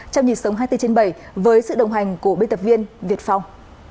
trong nhịp sống hai mươi bốn trên bảy với sự đồng hành của biên tập viên việt phong